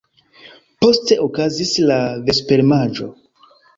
Poste okazis la vespermanĝo.